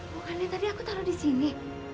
bukannya tadi aku taruh disini